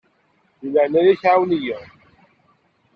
Di leɛnaya-k ɛawen-iyi.